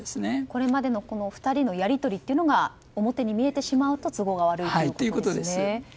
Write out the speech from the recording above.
これまでの２人のやり取りが表に見えてしまうと都合が悪いということですね。